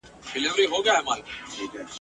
د لنډو کیسو څلور مجموعې یې چاپ ته وسپارلې !.